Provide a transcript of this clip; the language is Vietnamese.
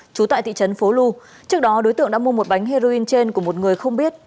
trú tại thị trấn phố lu trước đó đối tượng đã mua một bánh heroin trên của một người không biết